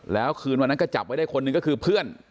แล้วคืนวันนั้นก็จับไว้ได้คนหนึ่งก็คือเพื่อน